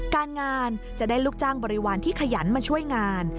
การงานจะได้ลูกจ้างบริวารที่ขยันมาช่วยงาน